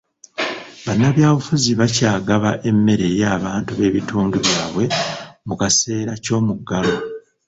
Bannabyabufuzi bakyagaba emmere eri abantu b'ebitundu byabwe mu kaseera ky'omuggalo.